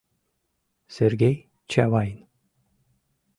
Сергей Чавайн